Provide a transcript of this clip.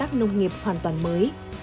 và một công nghiệp hoàn toàn mới